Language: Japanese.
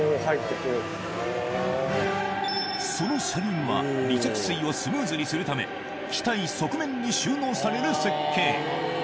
その車輪は離着水をスムーズにするため機体側面に収納される設計